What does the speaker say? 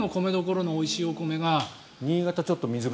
せっかくの米どころのおいしいお米が。